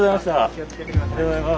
お気をつけてください。